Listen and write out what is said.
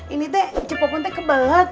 ini tuh cepopon tuh kebelet